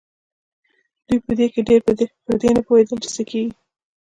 په دوی کې ډېر پر دې نه پوهېدل چې څه کېږي.